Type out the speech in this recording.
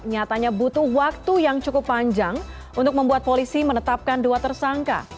nyatanya butuh waktu yang cukup panjang untuk membuat polisi menetapkan dua tersangka